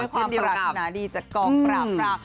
เป็นความปราธินาดีจากกองปราบ